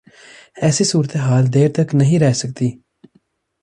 ایسی صورتحال دیر تک نہیں رہ سکتی۔